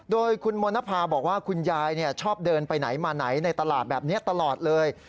โดยคุณมณภาบอกว่าคุณยายชอบเดินไปไหนมาไหนในตลาดแบบนี้ตลอดเลย